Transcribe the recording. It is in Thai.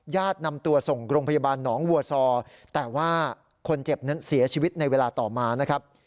นำตัวส่งโรงพยาบาลหนองวัวซอแต่ว่าคนเจ็บนั้นเสียชีวิตในเวลาต่อมานะครับ